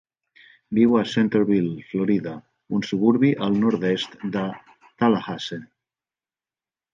Viu a Centerville, Florida, un suburbi al nord-est de Tallahassee.